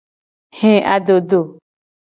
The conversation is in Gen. He adodo.